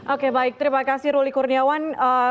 oke baik terima kasih ruli kurniawan